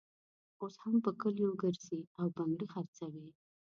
اوس هم په کلیو ګرزي او بنګړي خرڅوي.